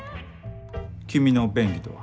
君の「便宜」とは？